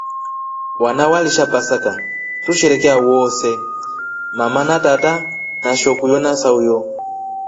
Wana walisha pasaka tusherekee wose na mama na tata na shokuyo na sayo.